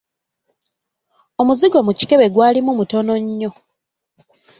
Omuzigo mu kikebe gwalimu mutono nnyo.